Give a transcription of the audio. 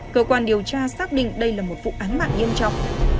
cơ quan điều tra xác định đây là một vụ án mạng nghiêm trọng